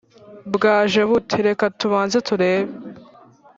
bwaje bute? reka tubanze turebe